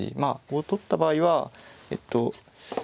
こう取った場合はえっと